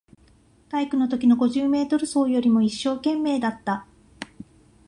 体育のときの五十メートル走よりも一生懸命だった